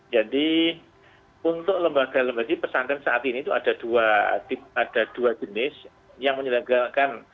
jadi untuk lembaga lembaga pesantren saat ini ada dua jenis yang menyelenggarakan